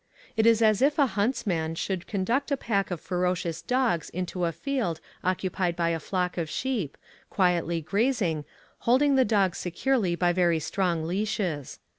It is as if a huntsman should conduct a pack of ferocious dogs into a field occupied by a flock of sheep, quietly grazing, holding the dogs securely by very strong leashes.